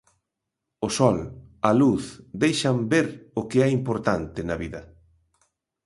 O sol, a luz, deixan ver o que é importante na vida.